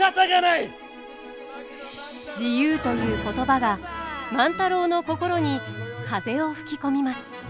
「自由」という言葉が万太郎の心に風を吹き込みます。